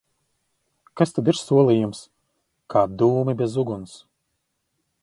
Kas tad ir solījums? Kā dūmi bez uguns!